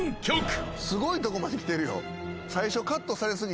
すごいとこまで来てるよ。